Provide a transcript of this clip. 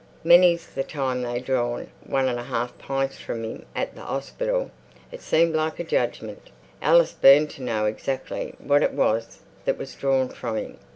Many's the time they drawn one and a half pints from 'im at the 'ospital... It seemed like a judgmint." Alice burned to know exactly what it was that was drawn from him.